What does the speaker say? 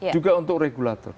juga untuk regulator